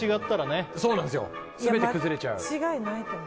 全て崩れちゃう。